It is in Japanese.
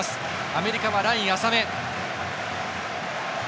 アメリカ、ライン浅め。